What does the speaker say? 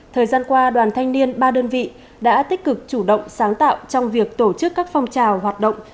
thời gian qua đoàn thanh niên ba đơn vị đã tích cực chủ động sáng tạo trong việc tổ chức các phong trào hoạt động